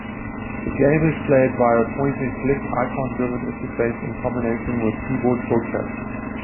The game is played via a point-and-click, icon-driven interface in combination with keyboard shortcuts.